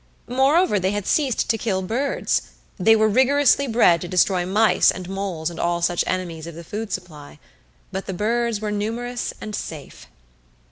Moreover, they had ceased to kill birds. They were rigorously bred to destroy mice and moles and all such enemies of the food supply; but the birds were numerous and safe.